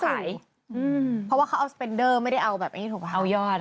เพราะว่าเขาเอาสเปนเดิมไม่ได้เอาแบบนี้ถูกหรือครับ